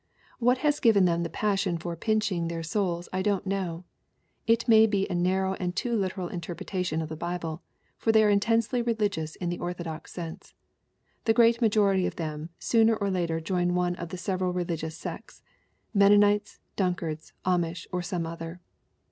... "What has given them the passion for pinching their souls I don't know. It may be a narrow and too literal interpretation of the Bible for they are intensely religious in the orthodox sense. The great majority of them sooner or later join one of the sev eral religious sects Mennonites, Dunkards, Amish, or some other.